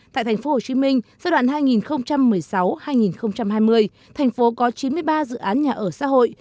tại tp hcm giai đoạn hai nghìn một mươi sáu hai nghìn hai mươi thành phố có chín mươi ba dự án nhà ở xã hội